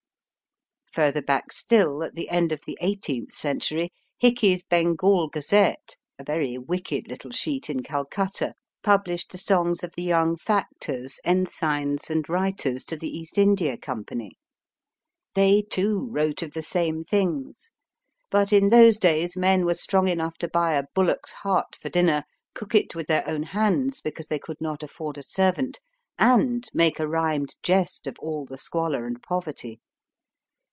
Further back still, at the end of the eighteenth century, Rickey s Bengal Gazette, a very wicked little sheet in Calcutta, published the songs of the young factors, ensigns, and writers to the East India Company. They, too, wrote of the same things, but in those days men were strong enough to buy a bullock s heart for dinner, cook it with their own hands because they could not afford a servant, and make a rhymed jest of all the squalor and poverty.